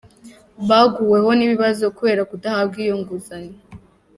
Baguweho n’ibibazo kubera kudahabwa iyo nguzanyo.